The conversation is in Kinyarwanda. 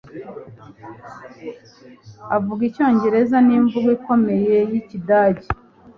Avuga Icyongereza n’imvugo ikomeye y’ikidage.